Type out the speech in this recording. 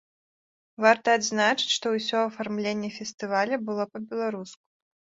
Варта адзначыць, што ўсё афармленне фестываля было па-беларуску.